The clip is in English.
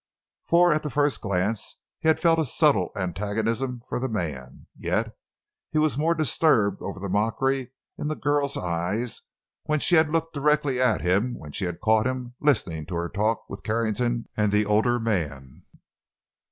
For at the first glance he had felt a subtle antagonism for the man. Yet he was more disturbed over the mockery in the girl's eyes when she had looked directly at him when she had caught him listening to her talk with Carrington and the older man.